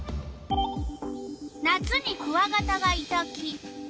夏にクワガタがいた木。